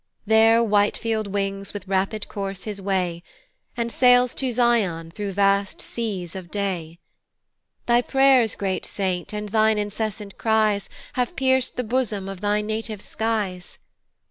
There Whitefield wings with rapid course his way, And sails to Zion through vast seas of day. Thy pray'rs, great saint, and thine incessant cries Have pierc'd the bosom of thy native skies.